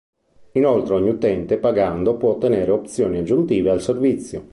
Inoltre ogni utente, pagando, può ottenere opzioni aggiuntive al servizio.